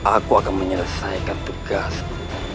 aku akan menyelesaikan tugasku